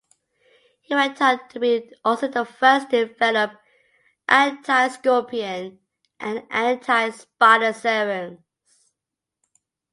He went on to be also the first to develop anti-scorpion and anti-spider serums.